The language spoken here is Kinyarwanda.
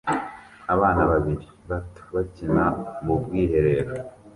Abana babiri bato bakina mu bwiherero